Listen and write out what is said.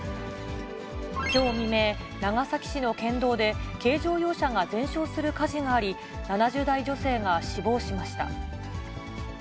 きょう未明、長崎市の県道で、軽乗用車が全焼する火事があり、７０代女性が死亡しました。